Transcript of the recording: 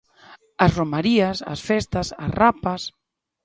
As romarías, as festas, as rapas.